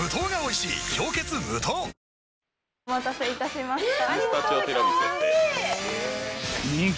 あお待たせいたしました。